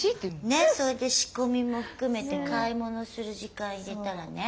それで仕込みも含めて買い物する時間入れたらね。